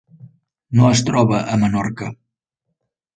No es troba a Menorca.